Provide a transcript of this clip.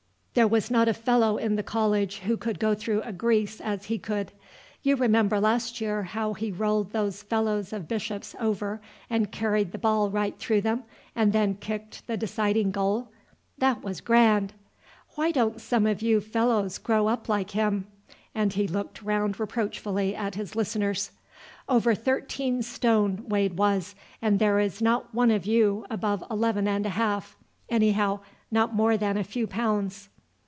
There was not a fellow in the college who could go through a grease as he could. You remember last year how he rolled those fellows of Bishop's over and carried the ball right through them, and then kicked the deciding goal? That was grand! Why don't some of you fellows grow up like him?" And he looked round reproachfully at his listeners. "Over thirteen stone Wade was, and there is not one of you above eleven and a half anyhow, not more than a few pounds."